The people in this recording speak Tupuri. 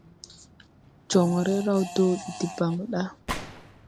Joŋre raw dɔɔ bi debaŋ da.